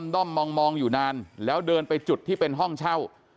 ด้อมมองอยู่นานแล้วเดินไปจุดที่เป็นห้องเช่า